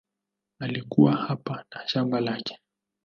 Alikuwa hapa na shamba lake.